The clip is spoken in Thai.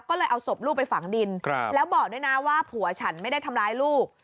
ก็เลยเอาศพลูกไปฝังดินแล้วบอกด้วยนะว่าผัวฉันไม่ได้ทำร้ายลูก